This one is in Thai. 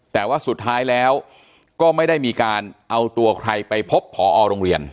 แต่ว่าสุดท้ายแล้วก็ไม่ได้มีการเอาตัวใครไปพบผอโรงเรียน